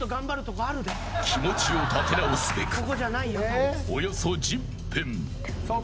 気持ちを立て直すべくおよそ１０分。